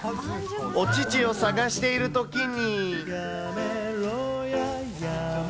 お乳を探しているときに。